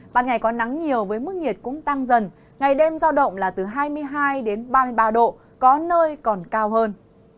ban ngày có nắng nhiều với mức nhiệt cũng tăng dần ngày đêm giao động là từ hai mươi hai ba mươi ba độ có nơi còn cao hơn